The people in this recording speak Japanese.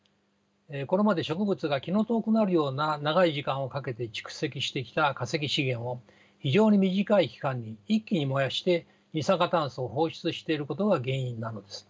これまで植物が気の遠くなるような長い時間をかけて蓄積してきた化石資源を非常に短い期間に一気に燃やして二酸化炭素を放出していることが原因なのです。